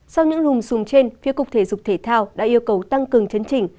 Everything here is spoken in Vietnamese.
sau những lùng sùng trên phía cục thể dục thể thao đã yêu cầu tăng cường chấn trình